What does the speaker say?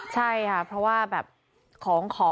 ใช่ค่ะเพราะว่าแบบของของ